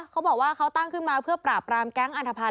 เขาบอกว่าเขาตั้งขึ้นมาเพื่อปราบรามแก๊งอันทภัณ